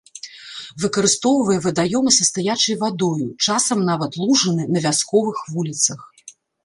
Выкарыстоўвае вадаёмы са стаячай вадою, часам нават лужыны на вясковых вуліцах.